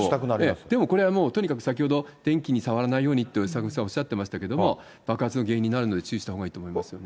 でもこれはとにかく電気に触らないようにって坂口さんおっしゃってましたけども、爆発の原因になるので、注意したほうがいいと思いますよね。